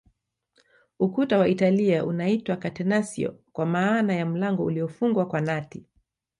Ukuta wa Italia unaitwa Catenacio kwa maana ya mlango uliofungwa kwa nati